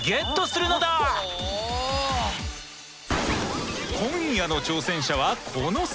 今夜の挑戦者はこの３人！